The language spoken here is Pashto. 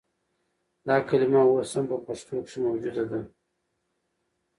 دا کلمه اوس هم په پښتو کښې موجوده ده